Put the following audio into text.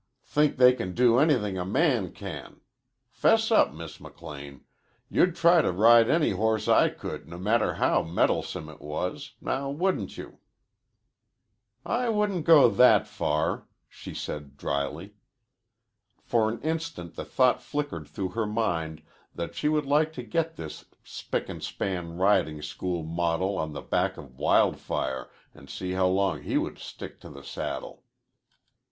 "Think they can do anything a man can. 'Fess up, Miss McLean. You'd try to ride any horse I could, no matter how mettlesome it was. Now wouldn't you?" "I wouldn't go that far," she said dryly. For an instant the thought flickered through her mind that she would like to get this spick and span riding school model on the back of Wild Fire and see how long he would stick to the saddle.